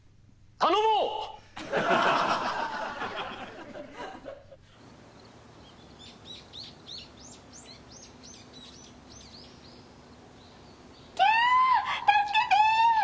助けて！